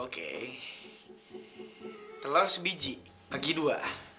oke telur sebiji pagi dua